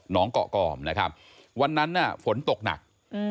น้องเกาะกอมนะครับวันนั้นน่ะฝนตกหนัก